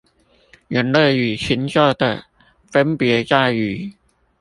人類與禽獸的分別在於